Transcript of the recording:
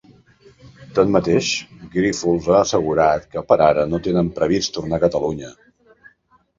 Tanmateix, Grífols ha assegurat que per ara no tenen previst tornar a Catalunya.